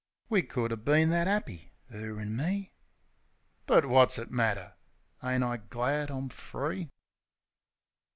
We could 'a' been that 'appy, 'er an' me ... But wot's it matter? Ain't I glad I'm free?